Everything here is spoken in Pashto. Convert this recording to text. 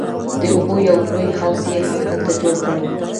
د اوبو یو لوی حوض یې هم هلته جوړ کړ.